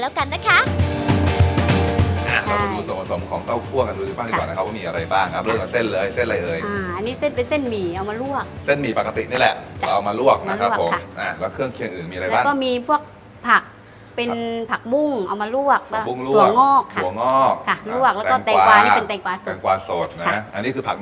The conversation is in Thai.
แล้วมีอะไร่ะ